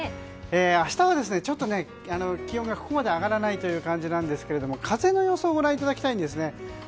明日はちょっと気温がここまで上がらない感じですが風の予想をご覧いただきたいんですね。